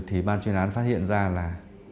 thì ban chuyên án phát hiện ra là